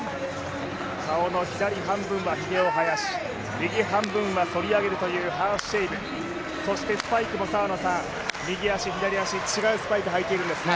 顔の左半分はひげを生やし、右半分はそるというハーフシェイブ、そしてスパイクも右足左足、違うスパイクを履いているんですね。